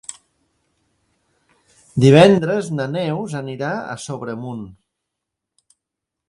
Divendres na Neus anirà a Sobremunt.